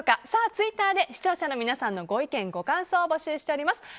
ツイッターで視聴者の皆さんのご意見、ご感想を募集しております。